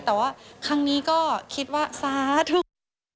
แต่ว่าครั้งนี้ก็คิดว่าสาธึก